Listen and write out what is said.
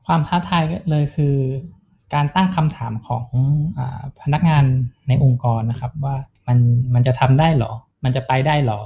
ท้าทายเลยคือการตั้งคำถามของพนักงานในองค์กรนะครับว่ามันจะทำได้เหรอมันจะไปได้เหรอ